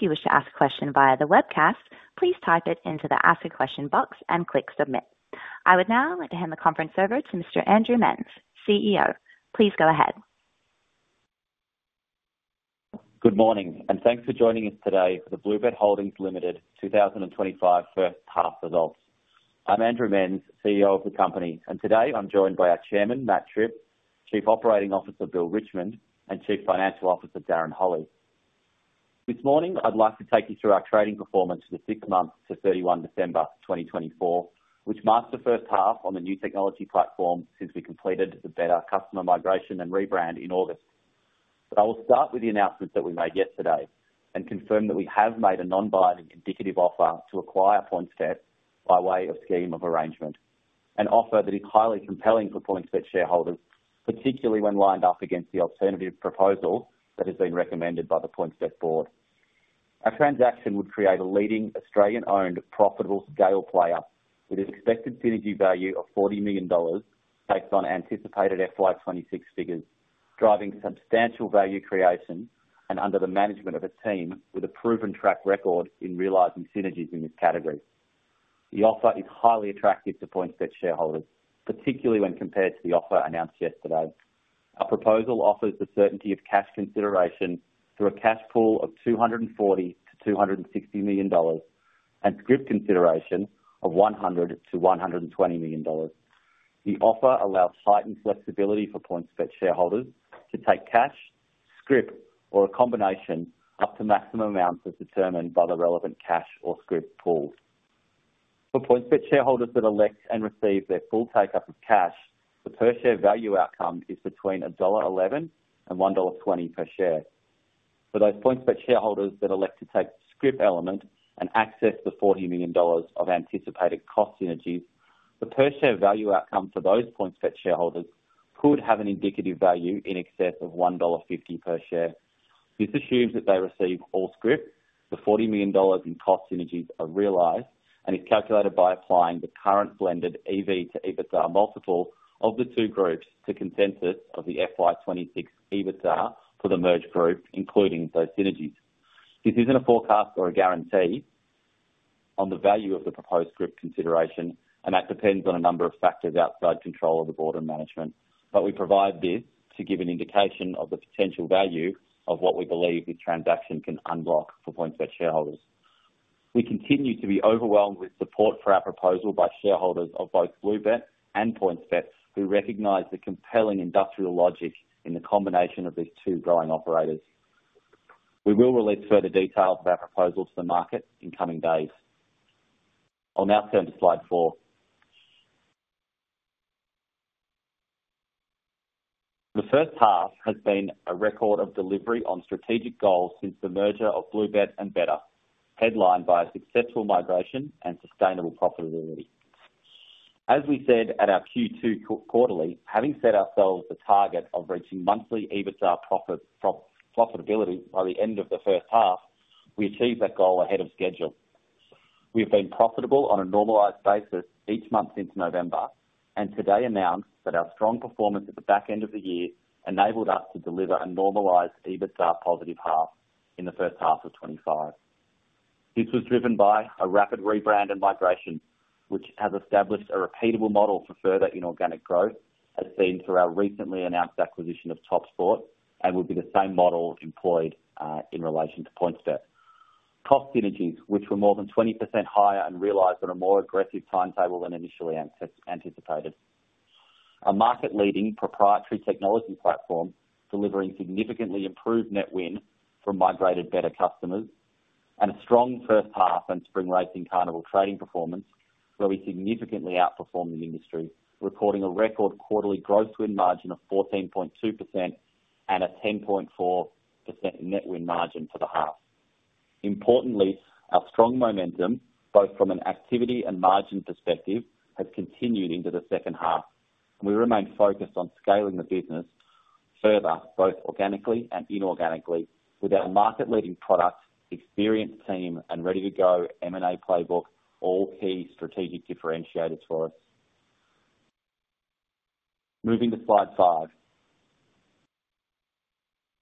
If you wish to ask a question via the webcast, please type it into the Ask a Question box and click Submit. I would now like to hand the conference over to Mr. Andrew Menz, CEO. Please go ahead. Good morning, and thanks for joining us today for the BlueBet Holdings Limited 2025 first half results. I'm Andrew Menz, CEO of the company, and today I'm joined by our Chairman Matt Tripp, Chief Operating Officer Bill Richmond, and Chief Financial Officer Darren Holley. This morning, I'd like to take you through our trading performance for the six months to 31 December 2024, which marks the first half on the new technology platform since we completed the Betr customer migration and rebrand in August. I will start with the announcements that we made yesterday and confirm that we have made a non-binding indicative offer to acquire PointsBet by way of scheme of arrangement, an offer that is highly compelling for PointsBet shareholders, particularly when lined up against the alternative proposal that has been recommended by the PointsBet board. Our transaction would create a leading Australian-owned profitable scale player with an expected synergy value of 40 million dollars based on anticipated FY26 figures, driving substantial value creation and under the management of a team with a proven track record in realizing synergies in this category. The offer is highly attractive to PointsBet shareholders, particularly when compared to the offer announced yesterday. Our proposal offers the certainty of cash consideration through a cash pool of 240-260 million dollars and scrip consideration of 100-120 million dollars. The offer allows heightened flexibility for PointsBet shareholders to take cash, scrip, or a combination up to maximum amounts as determined by the relevant cash or scrip pool. For PointsBet shareholders that elect and receive their full take-up of cash, the per-share value outcome is between dollar 1.11 and 1.20 dollar per share. For those PointsBet shareholders that elect to take the scrip element and access the 40 million dollars of anticipated cost synergies, the per-share value outcome for those PointsBet shareholders could have an indicative value in excess of 1.50 dollar per share. This assumes that they receive all scrip, the 40 million dollars in cost synergies are realized, and is calculated by applying the current blended EV to EBITDA multiple of the two groups to consensus of the FY2026 EBITDA for the merged group, including those synergies. This is not a forecast or a guarantee on the value of the proposed scrip consideration, and that depends on a number of factors outside control of the board and management, but we provide this to give an indication of the potential value of what we believe this transaction can unblock for PointsBet shareholders. We continue to be overwhelmed with support for our proposal by shareholders of both BlueBet and PointsBet, who recognize the compelling industrial logic in the combination of these two growing operators. We will release further details of our proposal to the market in coming days. I'll now turn to slide four. The first half has been a record of delivery on strategic goals since the merger of BlueBet and Betr, headlined by a successful migration and sustainable profitability. As we said at our Q2 quarterly, having set ourselves the target of reaching monthly EBITDA profitability by the end of the first half, we achieved that goal ahead of schedule. We have been profitable on a normalized basis each month since November, and today announced that our strong performance at the back end of the year enabled us to deliver a normalized EBITDA positive half in the first half of 2025. This was driven by a rapid rebrand and migration, which has established a repeatable model for further inorganic growth, as seen through our recently announced acquisition of TopSport, and would be the same model employed in relation to PointsBet. Cost synergies, which were more than 20% higher and realized on a more aggressive timetable than initially anticipated. A market-leading proprietary technology platform delivering significantly improved net win from migrated Betr customers, and a strong first half and Spring Racing Carnival trading performance, where we significantly outperformed the industry, recording a record quarterly gross win margin of 14.2% and a 10.4% net win margin for the half. Importantly, our strong momentum, both from an activity and margin perspective, has continued into the second half, and we remain focused on scaling the business further, both organically and inorganically, with our market-leading product, experienced team, and ready-to-go M&A playbook all key strategic differentiators for us. Moving to slide five.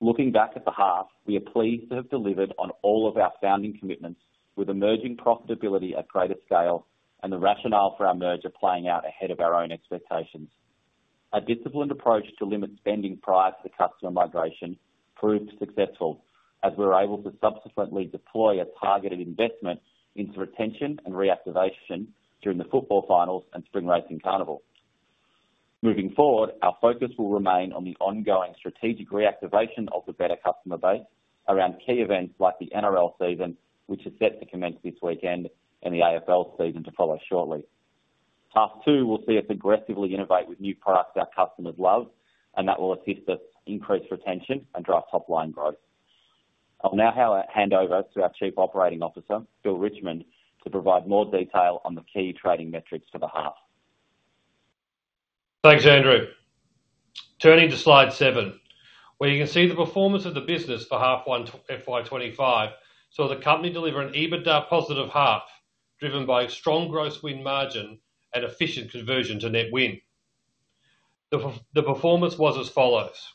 Looking back at the half, we are pleased to have delivered on all of our founding commitments, with emerging profitability at greater scale and the rationale for our merger playing out ahead of our own expectations. A disciplined approach to limit spending prior to the customer migration proved successful, as we were able to subsequently deploy a targeted investment into retention and reactivation during the football finals and Spring Racing Carnival. Moving forward, our focus will remain on the ongoing strategic reactivation of the Betr customer base around key events like the NRL season, which is set to commence this weekend, and the AFL season to follow shortly. Half two will see us aggressively innovate with new products our customers love, and that will assist us increase retention and drive top-line growth. I'll now hand over to our Chief Operating Officer, Bill Richmond, to provide more detail on the key trading metrics for the half. Thanks, Andrew. Turning to slide seven, where you can see the performance of the business for half one FY2025 saw the company deliver an EBITDA positive half driven by strong gross win margin and efficient conversion to net win. The performance was as follows.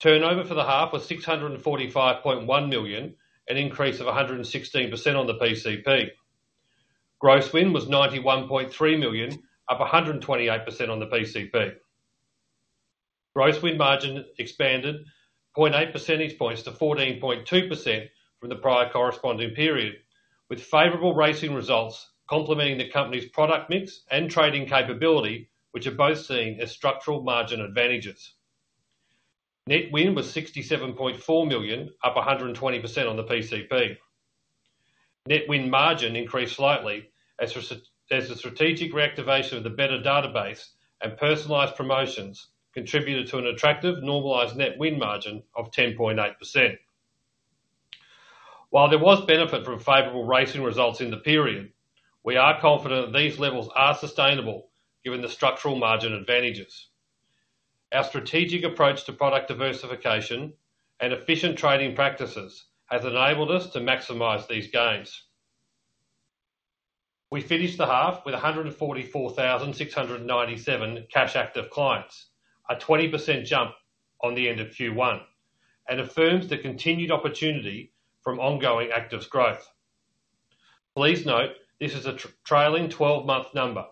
Turnover for the half was 645.1 million, an increase of 116% on the PCP. Gross win was 91.3 million, up 128% on the PCP. Gross win margin expanded 0.8 percentage points to 14.2% from the prior corresponding period, with favorable racing results complementing the company's product mix and trading capability, which are both seen as structural margin advantages. Net win was 67.4 million, up 120% on the PCP. Net win margin increased slightly as the strategic reactivation of the Betr database and personalized promotions contributed to an attractive normalized net win margin of 10.8%. While there was benefit from favorable racing results in the period, we are confident that these levels are sustainable given the structural margin advantages. Our strategic approach to product diversification and efficient trading practices has enabled us to maximize these gains. We finished the half with 144,697 cash active clients, a 20% jump on the end of Q1, and affirms the continued opportunity from ongoing active growth. Please note this is a trailing 12-month number.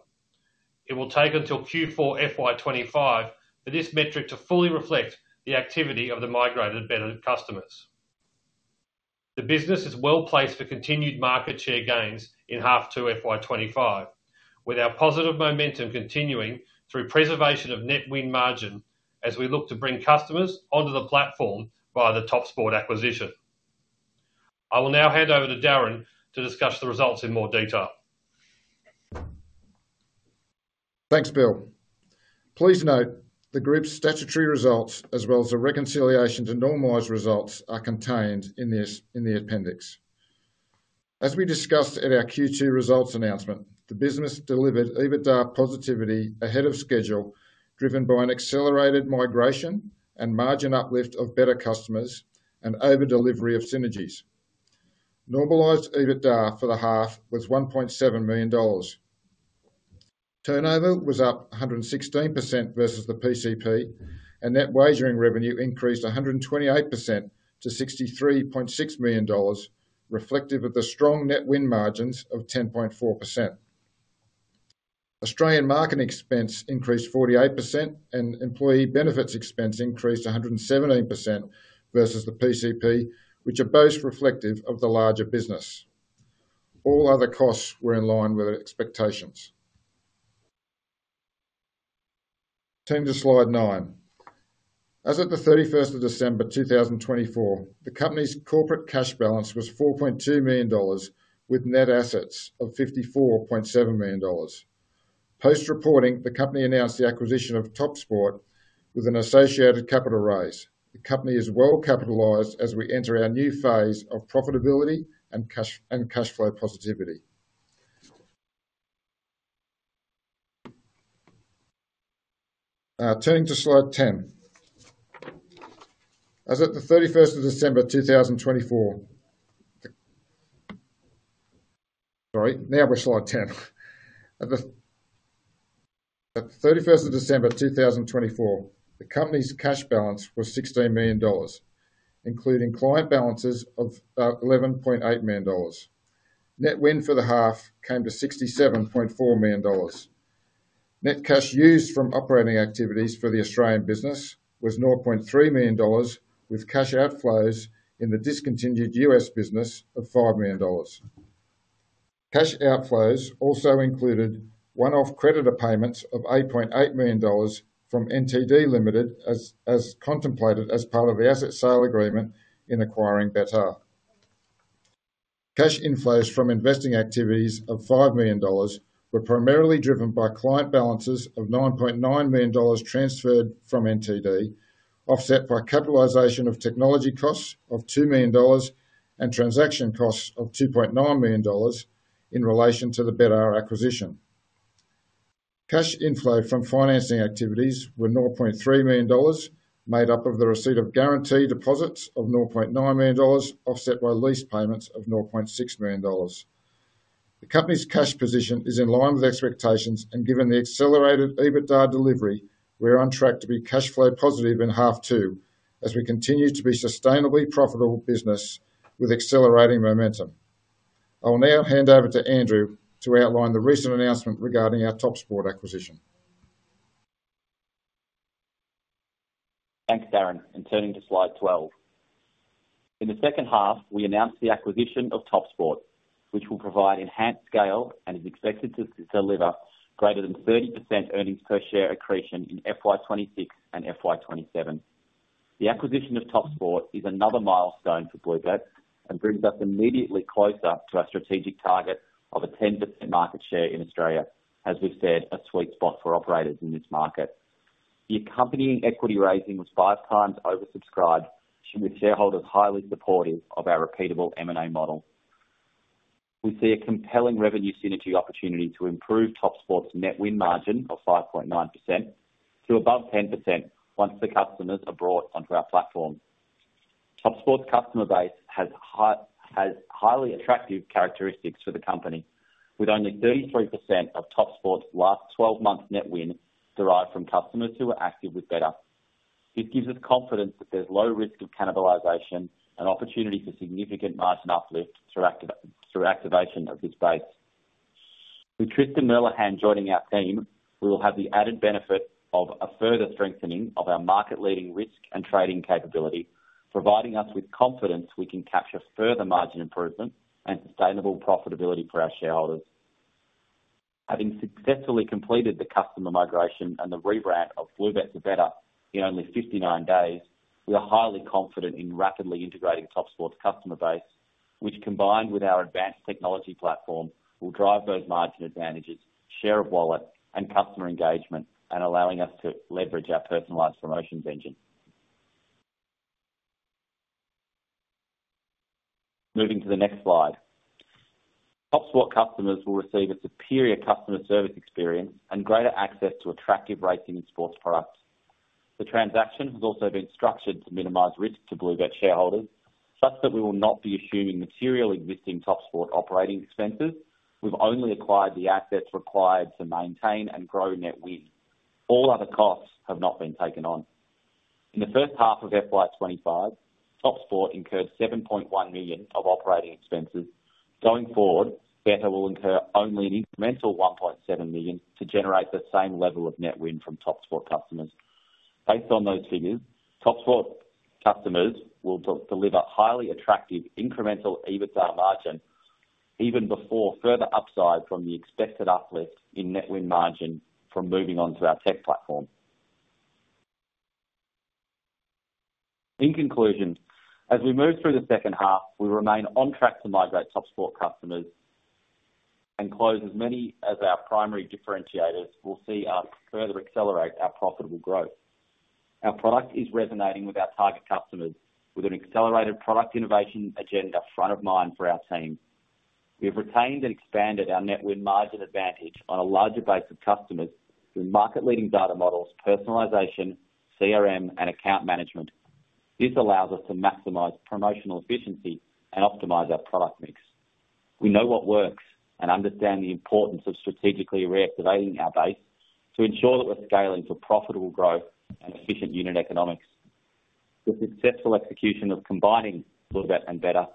It will take until Q4 FY2025 for this metric to fully reflect the activity of the migrated Betr customers. The business is well placed for continued market share gains in half two FY2025, with our positive momentum continuing through preservation of net win margin as we look to bring customers onto the platform via the TopSport acquisition. I will now hand over to Darren to discuss the results in more detail. Thanks, Bill. Please note the group's statutory results, as well as the reconciliation to normalized results, are contained in the appendix. As we discussed at our Q2 results announcement, the business delivered EBITDA positivity ahead of schedule, driven by an accelerated migration and margin uplift of Betr customers and over-delivery of synergies. Normalized EBITDA for the half was 1.7 million dollars. Turnover was up 116% versus the PCP, and net wagering revenue increased 128% to 63.6 million dollars, reflective of the strong net win margins of 10.4%. Australian market expense increased 48%, and employee benefits expense increased 117% versus the PCP, which are both reflective of the larger business. All other costs were in line with expectations. Turning to slide nine. As of the 31st of December 2024, the company's corporate cash balance was 4.2 million dollars, with net assets of 54.7 million dollars. Post-reporting, the company announced the acquisition of TopSport with an associated capital raise. The company is well capitalized as we enter our new phase of profitability and cash flow positivity. Turning to slide ten. As of the 31st of December 2024. Sorry, now we're slide ten. At the 31st of December 2024, the company's cash balance was 16 million dollars, including client balances of 11.8 million dollars. Net win for the half came to 67.4 million dollars. Net cash used from operating activities for the Australian business was 0.3 million dollars, with cash outflows in the discontinued US business of 5 million dollars. Cash outflows also included one-off creditor payments of 8.8 million dollars from NTD Pty Ltd as contemplated as part of the asset sale agreement in acquiring Betr. Cash inflows from investing activities of 5 million dollars were primarily driven by client balances of 9.9 million dollars transferred from NTD, offset by capitalization of technology costs of 2 million dollars and transaction costs of 2.9 million dollars in relation to the Betr acquisition. Cash inflow from financing activities was 0.3 million dollars, made up of the receipt of guaranteed deposits of 0.9 million dollars, offset by lease payments of 0.6 million dollars. The company's cash position is in line with expectations, and given the accelerated EBITDA delivery, we're on track to be cash flow positive in half two as we continue to be a sustainably profitable business with accelerating momentum. I will now hand over to Andrew to outline the recent announcement regarding our TopSport acquisition. Thanks, Darren. Turning to slide 12. In the second half, we announced the acquisition of TopSport, which will provide enhanced scale and is expected to deliver greater than 30% earnings per share accretion in FY2026 and FY2027. The acquisition of TopSport is another milestone for BlueBet and brings us immediately closer to our strategic target of a 10% market share in Australia, as we've said, a sweet spot for operators in this market. The accompanying equity raising was five times oversubscribed, with shareholders highly supportive of our repeatable M&A model. We see a compelling revenue synergy opportunity to improve TopSport's net win margin of 5.9% to above 10% once the customers are brought onto our platform. TopSport's customer base has highly attractive characteristics for the company, with only 33% of TopSport's last 12 months net win derived from customers who were active with Betr. This gives us confidence that there's low risk of cannibalization and opportunity for significant margin uplift through activation of this base. With Tristan Merlehan joining our team, we will have the added benefit of a further strengthening of our market-leading risk and trading capability, providing us with confidence we can capture further margin improvement and sustainable profitability for our shareholders. Having successfully completed the customer migration and the rebrand of BlueBet to Betr in only 59 days, we are highly confident in rapidly integrating TopSport's customer base, which, combined with our advanced technology platform, will drive those margin advantages, share of wallet, and customer engagement, allowing us to leverage our personalized promotions engine. Moving to the next slide. TopSport customers will receive a superior customer service experience and greater access to attractive racing and sports products. The transaction has also been structured to minimize risk to Betr shareholders, such that we will not be assuming material existing TopSport operating expenses. We've only acquired the assets required to maintain and grow net win. All other costs have not been taken on. In the first half of FY2025, TopSport incurred 7.1 million of operating expenses. Going forward, Betr will incur only an incremental 1.7 million to generate the same level of net win from TopSport customers. Based on those figures, TopSport customers will deliver highly attractive incremental EBITDA margin even before further upside from the expected uplift in net win margin from moving on to our tech platform. In conclusion, as we move through the second half, we remain on track to migrate TopSport customers and close as many as our primary differentiators will see us further accelerate our profitable growth. Our product is resonating with our target customers, with an accelerated product innovation agenda front of mind for our team. We have retained and expanded our net win margin advantage on a larger base of customers through market-leading data models, personalization, CRM, and account management. This allows us to maximize promotional efficiency and optimize our product mix. We know what works and understand the importance of strategically reactivating our base to ensure that we're scaling for profitable growth and efficient unit economics. The successful execution of combining BlueBet and Betr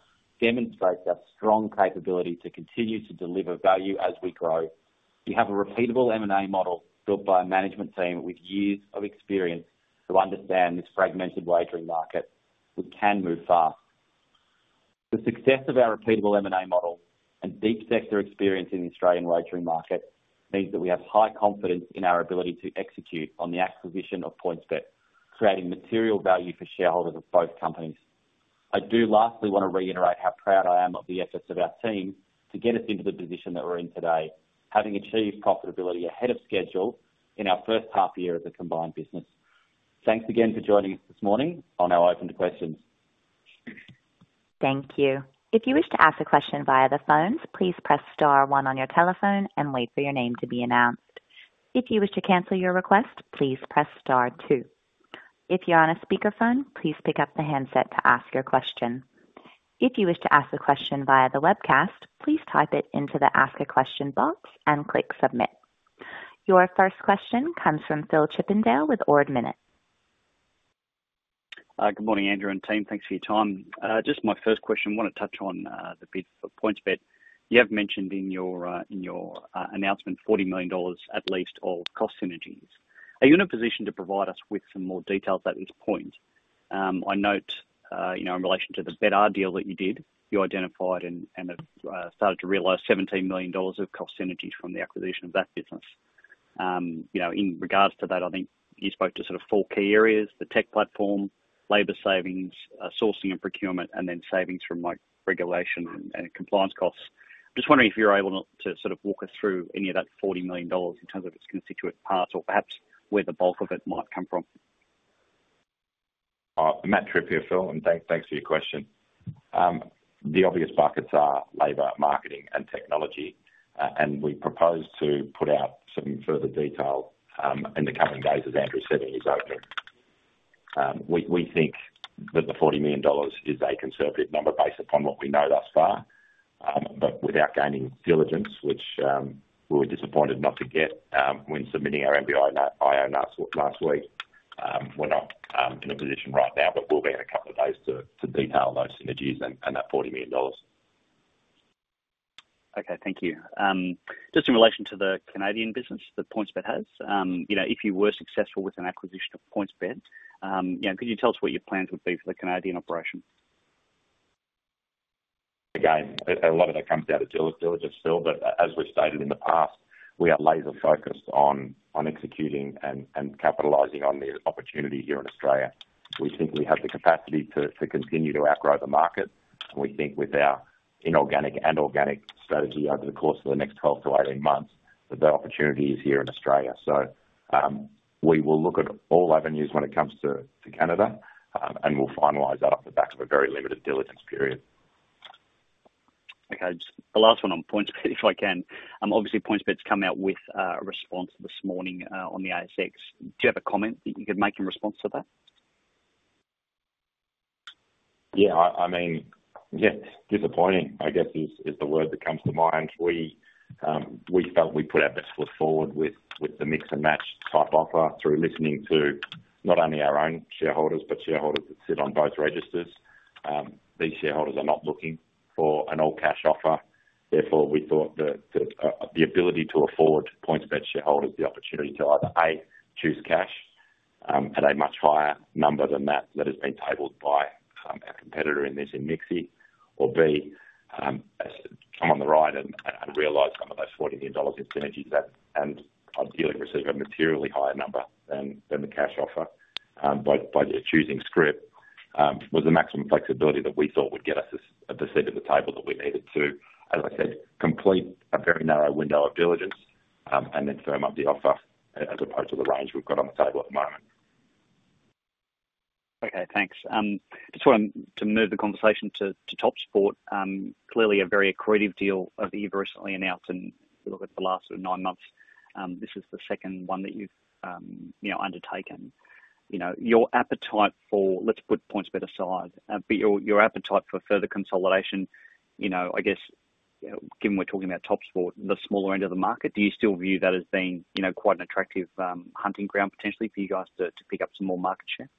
demonstrates our strong capability to continue to deliver value as we grow. We have a repeatable M&A model built by a management team with years of experience to understand this fragmented wagering market. We can move fast. The success of our repeatable M&A model and deep sector experience in the Australian wagering market means that we have high confidence in our ability to execute on the acquisition of PointsBet, creating material value for shareholders of both companies. I do lastly want to reiterate how proud I am of the efforts of our team to get us into the position that we're in today, having achieved profitability ahead of schedule in our first half year as a combined business. Thanks again for joining us this morning on our open to questions. Thank you. If you wish to ask a question via the phone, please press star one on your telephone and wait for your name to be announced. If you wish to cancel your request, please press star two. If you're on a speakerphone, please pick up the handset to ask your question. If you wish to ask a question via the webcast, please type it into the ask a question box and click submit. Your first question comes from Phil Chippindale with Ord Minnett. Good morning, Andrew and team. Thanks for your time. Just my first question, I want to touch on the PointsBet. You have mentioned in your announcement 40 million dollars at least of cost synergies. Are you in a position to provide us with some more details at this point? I note in relation to the Betr deal that you did, you identified and started to realize 17 million dollars of cost synergies from the acquisition of that business. In regards to that, I think you spoke to sort of four key areas: the tech platform, labor savings, sourcing and procurement, and then savings from regulation and compliance costs. I'm just wondering if you're able to sort of walk us through any of that 40 million dollars in terms of its constituent parts or perhaps where the bulk of it might come from. Matt Tripp here, Phil, and thanks for your question. The obvious buckets are labor, marketing, and technology, and we propose to put out some further detail in the coming days as Andrew's setting his opening. We think that the 40 million dollars is a conservative number based upon what we know thus far, but without gaining diligence, which we were disappointed not to get when submitting our NBIO notes last week. We're not in a position right now, but we'll be in a couple of days to detail those synergies and that 40 million dollars. Okay, thank you. Just in relation to the Canadian business that PointsBet has, if you were successful with an acquisition of PointsBet, could you tell us what your plans would be for the Canadian operation? Again, a lot of that comes down to diligence, Phil, but as we've stated in the past, we are laser-focused on executing and capitalizing on the opportunity here in Australia. We think we have the capacity to continue to outgrow the market, and we think with our inorganic and organic strategy over the course of the next 12 to 18 months that the opportunity is here in Australia. We will look at all avenues when it comes to Canada, and we'll finalize that off the back of a very limited diligence period. Okay, just the last one on PointsBet, if I can. Obviously, PointsBet's come out with a response this morning on the ASX. Do you have a comment that you could make in response to that? Yeah, I mean, yeah, disappointing, I guess, is the word that comes to mind. We felt we put our best foot forward with the mix-and-match type offer through listening to not only our own shareholders, but shareholders that sit on both registers. These shareholders are not looking for an all-cash offer. Therefore, we thought that the ability to afford PointsBet shareholders the opportunity to either A, choose cash at a much higher number than that that has been tabled by our competitor in this, in MIXI, or B, come on the ride and realize some of those 40 million dollars in synergies and ideally receive a materially higher number than the cash offer by choosing scrip, was the maximum flexibility that we thought would get us a percent at the table that we needed to, as I said, complete a very narrow window of diligence, and then firm up the offer as opposed to the range we've got on the table at the moment. Okay, thanks. Just want to move the conversation to TopSport. Clearly, a very accretive deal that you've recently announced, and if you look at the last nine months, this is the second one that you've undertaken. Your appetite for, let's put PointsBet aside, but your appetite for further consolidation, I guess, given we're talking about TopSport, the smaller end of the market, do you still view that as being quite an attractive hunting ground potentially for you guys to pick up some more market share?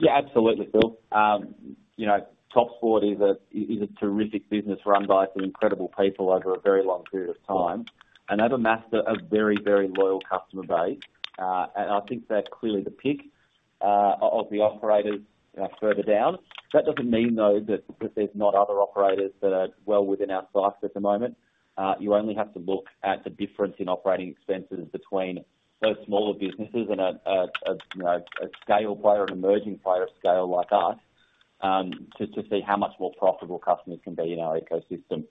Yeah, absolutely, Phil. TopSport is a terrific business run by some incredible people over a very long period of time, and they've amassed a very, very loyal customer base. I think they're clearly the pick of the operators further down. That does not mean, though, that there's not other operators that are well within our sights at the moment. You only have to look at the difference in operating expenses between those smaller businesses and a scale player, an emerging player of scale like us, to see how much more profitable customers can be in our ecosystem.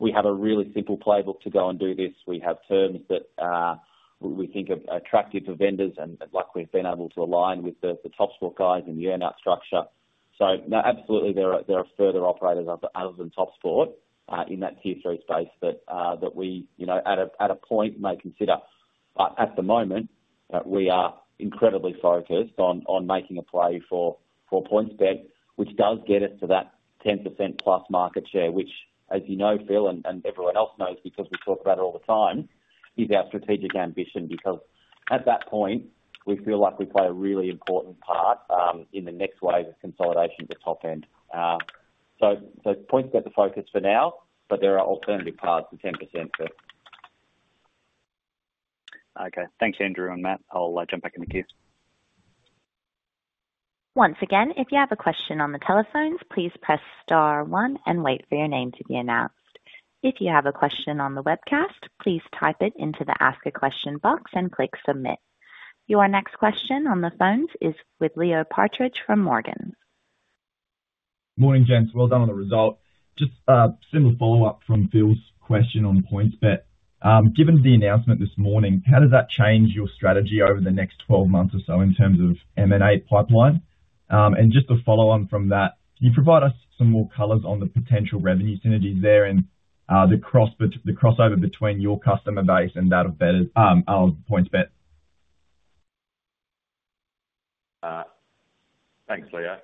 We have a really simple playbook to go and do this. We have terms that we think are attractive for vendors, like we've been able to align with the TopSport guys in the earnout structure. Absolutely, there are further operators other than TopSport in that tier three space that we at a point may consider. At the moment, we are incredibly focused on making a play for PointsBet, which does get us to that 10% plus market share, which, as you know, Phil, and everyone else knows because we talk about it all the time, is our strategic ambition because at that point, we feel like we play a really important part in the next wave of consolidation to top end. PointsBet the focus for now, but there are alternative paths to 10% for. Okay, thanks, Andrew and Matt. I'll jump back in the queue. Once again, if you have a question on the telephones, please press star one and wait for your name to be announced. If you have a question on the webcast, please type it into the ask a question box and click submit. Your next question on the phones is with Leo Partridge from Morgans. Morning, gents. Well done on the result. Just a simple follow-up from Phil's question on PointsBet. Given the announcement this morning, how does that change your strategy over the next 12 months or so in terms of M&A pipeline? Just to follow on from that, can you provide us some more colors on the potential revenue synergies there and the crossover between your customer base and that of PointsBet? Thanks, Leo.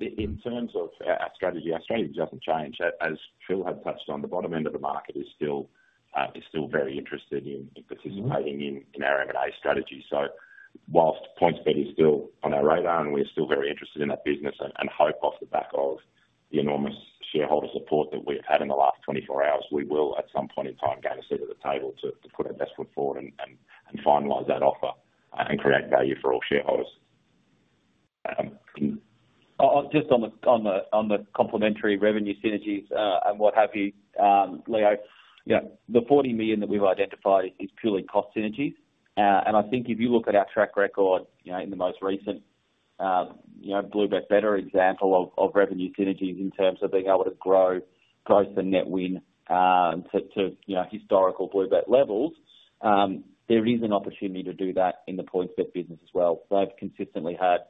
In terms of our strategy, our strategy doesn't change. As Phil had touched on, the bottom end of the market is still very interested in participating in our M&A strategy. Whilst PointsBet is still on our radar and we're still very interested in that business and hope off the back of the enormous shareholder support that we've had in the last 24 hours, we will at some point in time gain a seat at the table to put our best foot forward and finalize that offer and create value for all shareholders. Just on the complementary revenue synergies and what have you, Leo, the 40 million that we've identified is purely cost synergies. I think if you look at our track record in the most recent BlueBet Betr example of revenue synergies in terms of being able to grow to net win to historical BlueBet levels, there is an opportunity to do that in the PointsBet business as well. They've consistently had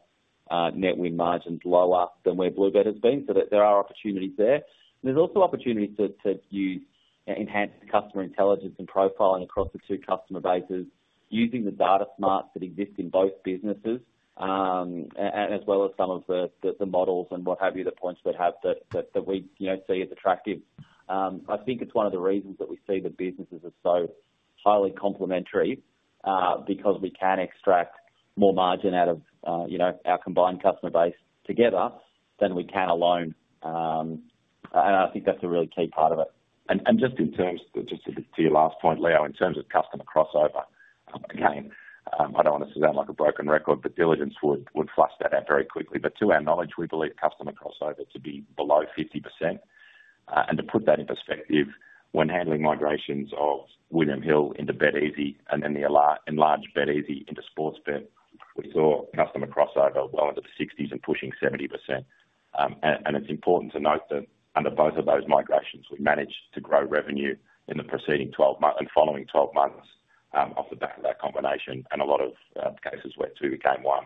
net win margins lower than where BlueBet has been, so there are opportunities there. There are also opportunities to enhance customer intelligence and profiling across the two customer bases using the data smarts that exist in both businesses, as well as some of the models and what have you that PointsBet have that we see as attractive. I think it's one of the reasons that we see the businesses as so highly complementary because we can extract more margin out of our combined customer base together than we can alone. I think that's a really key part of it. Just. In terms of just to your last point, Leo, in terms of customer crossover, again, I don't want to sound like a broken record, but diligence would flush that out very quickly. To our knowledge, we believe customer crossover to be below 50%. To put that in perspective, when handling migrations of William Hill into BetEasy and then the enlarged BetEasy into Sportsbet, we saw customer crossover well into the 60% and pushing 70%. It is important to note that under both of those migrations, we managed to grow revenue in the preceding 12 and following 12 months off the back of that combination, and a lot of cases where two became one.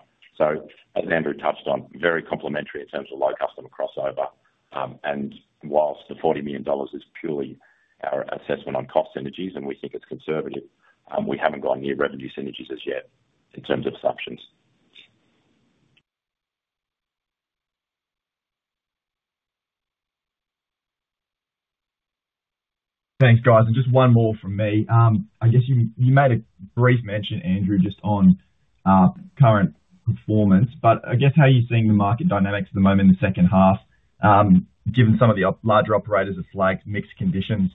As Andrew touched on, very complementary in terms of low customer crossover. Whilst the $40 million is purely our assessment on cost synergies, and we think it's conservative, we haven't gone near revenue synergies as yet in terms of assumptions. Thanks, guys. Just one more from me. I guess you made a brief mention, Andrew, just on current performance, but I guess how are you seeing the market dynamics at the moment in the second half, given some of the larger operators' flagged mixed conditions?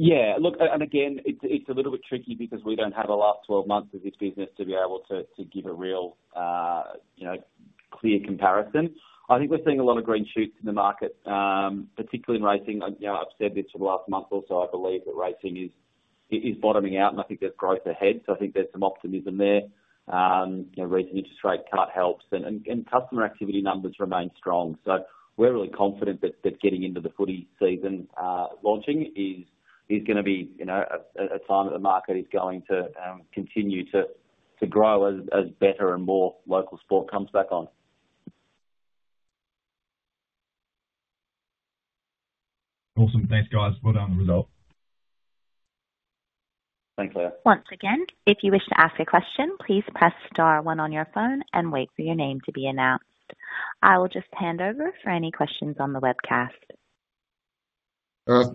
Yeah. Look, again, it's a little bit tricky because we don't have the last 12 months of this business to be able to give a real clear comparison. I think we're seeing a lot of green shoots in the market, particularly in rating. I've said this for the last month or so, I believe that rating is bottoming out, and I think there's growth ahead. I think there's some optimism there. Raising interest rate cut helps, and customer activity numbers remain strong. We're really confident that getting into the footy season launching is going to be a time that the market is going to continue to grow as Betr and more local sport comes back on. Awesome. Thanks, guys. Well done on the result. Thanks, Leo. Once again, if you wish to ask a question, please press star one on your phone and wait for your name to be announced. I will just hand over for any questions on the webcast.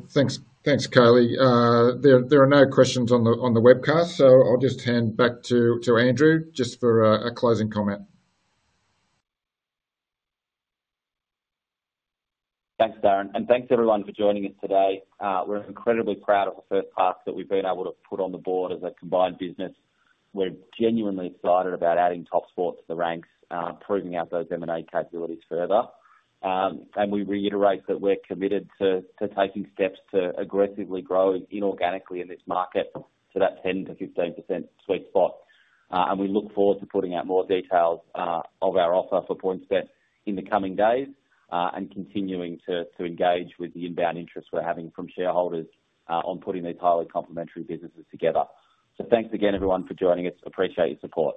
Thanks, Kylie. There are no questions on the webcast, so I'll just hand back to Andrew just for a closing comment. Thanks, Darren. Thanks everyone for joining us today. We're incredibly proud of the first half that we've been able to put on the board as a combined business. We're genuinely excited about adding TopSport to the ranks, proving out those M&A capabilities further. We reiterate that we're committed to taking steps to aggressively grow inorganically in this market to that 10-15% sweet spot. We look forward to putting out more details of our offer for PointsBet in the coming days and continuing to engage with the inbound interest we're having from shareholders on putting these highly complementary businesses together. Thanks again, everyone, for joining us. Appreciate your support.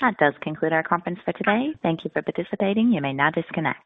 That does conclude our conference for today. Thank you for participating. You may now disconnect.